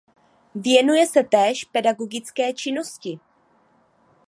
Věnuje se též pedagogické činnosti.